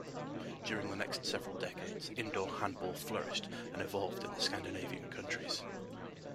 During the next several decades, indoor handball flourished and evolved in the Scandinavian countries.